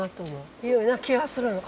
ような気がするの。